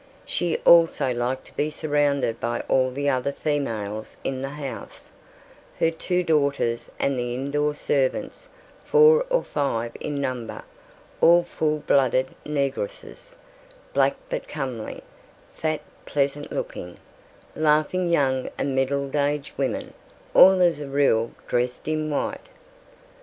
She also liked to be surrounded by all the other females in the house, her two daughters and the indoor servants, four or five in number, all full blooded negresses, black but comely, fat, pleasant looking, laughing young and middle aged women, all as a rule dressed in white.